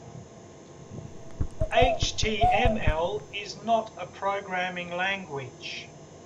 HTML is not a programming language.